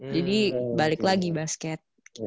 jadi balik lagi basket